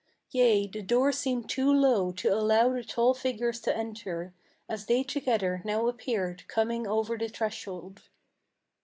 Yea, the door seemed too low to allow the tall figures to enter, As they together now appeared coming over the threshold.